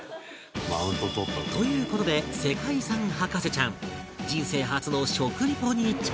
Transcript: という事で世界遺産博士ちゃん人生初の食リポに挑戦